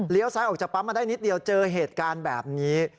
ซ้ายออกจากปั๊มมาได้นิดเดียวเจอเหตุการณ์แบบนี้